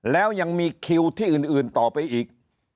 แล้วยังมีคิวที่อื่นต่อไปอีก